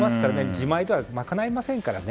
自前では賄えませんからね。